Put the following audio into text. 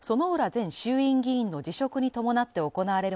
前衆院議員の辞職に伴って行われる